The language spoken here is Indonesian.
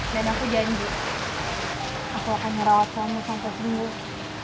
dan aku janji aku akan ngerawat kamu sampai sembuh